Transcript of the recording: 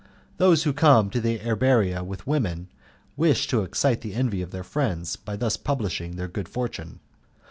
Those who come to the Erberia with women wish to excite the envy of their friends by thus publishing their good fortune.